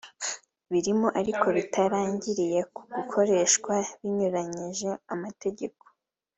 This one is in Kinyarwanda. Birimo ariko bitarangiriye ku gukoreshwa binyuranyije n’amategeko